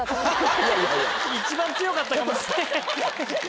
一番強かったかも。